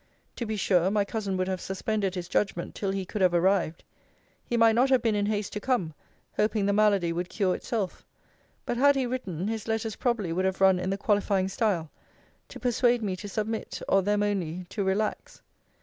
To be sure my cousin would have suspended his judgment till he could have arrived. He might not have been in haste to come, hoping the malady would cure itself: but had he written, his letters probably would have run in the qualifying style; to persuade me to submit, or them only to relax.